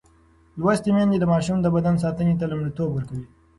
لوستې میندې د ماشوم د بدن ساتنې ته لومړیتوب ورکوي.